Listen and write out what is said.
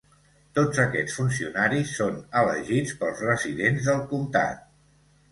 Tots aquests funcionaris són elegits pels residents del comtat.